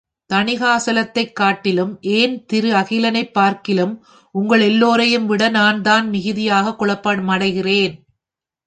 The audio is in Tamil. தணிகாசலத்தைக் காட்டிலும், ஏன், திரு அகிலனைப் பார்க்கிலும், உங்கள் எல்லோரையும் விட நான்தான் மிகுதியாகக் குழப்பமடைகிறேன்.